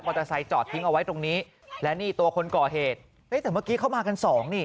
เตอร์ไซค์จอดทิ้งเอาไว้ตรงนี้และนี่ตัวคนก่อเหตุแต่เมื่อกี้เข้ามากันสองนี่